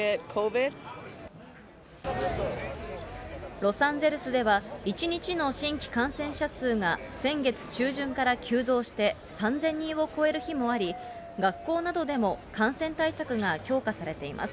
ロサンゼルスでは１日の新規感染者数が先月中旬から急増して、３０００人を超える日もあり、学校などでも感染対策が強化されています。